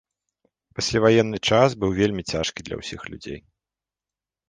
Пасляваенны час быў вельмі цяжкі для ўсіх людзей.